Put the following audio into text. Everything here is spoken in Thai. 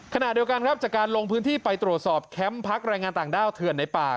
ขณะเดียวกันครับจากการลงพื้นที่ไปตรวจสอบแคมป์พักแรงงานต่างด้าวเถื่อนในป่า